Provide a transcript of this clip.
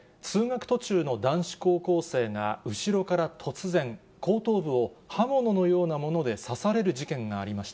けさ、神奈川県川崎市の路上で、通学途中の男子高校生が後ろから突然、後頭部を刃物のようなもので刺される事件がありました。